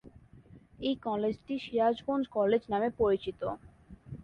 এই কলেজটি "সিরাজগঞ্জ কলেজ" নামে পরিচিত।